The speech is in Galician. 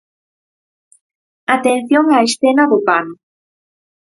Atención á escena do pano.